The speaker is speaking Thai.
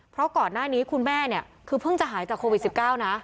เพราะก่อนหน้านี้คุณแม่เนี่ยคือเพิ่งจะหายจากโควิด๑๙นะ